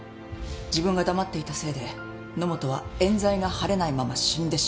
自分が黙っていたせいで野本は冤罪が晴れないまま死んでしまった。